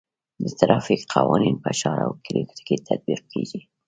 د ټرافیک قوانین په ښار او کلیو کې تطبیق کیږي.